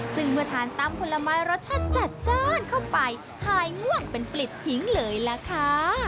ซึ่งเมื่อทานตำผลไม้รสชาติจัดจ้านเข้าไปหายง่วงเป็นปลิดทิ้งเลยล่ะค่ะ